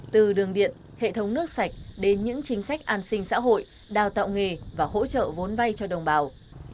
từ đường điện hệ thống nước sạch đến những chính sách an sinh xã hội đào tạo nghề và hỗ trợ vốn vay cho đồng bào